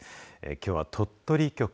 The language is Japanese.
きょうは鳥取局。